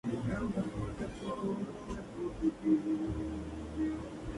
Fue una ciudad-estado independiente, incorporada al distrito de Argólida por Roma.